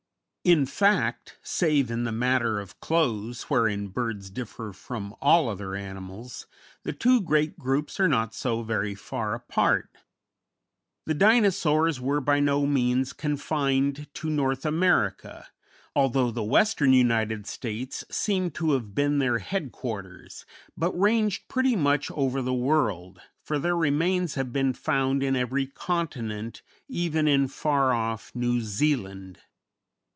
In fact, save in the matter of clothes, wherein birds differ from all other animals, the two great groups are not so very far apart. The Dinosaurs were by no means confined to North America, although the western United States seem to have been their headquarters, but ranged pretty much over the world, for their remains have been found in every continent, even in far off New Zealand.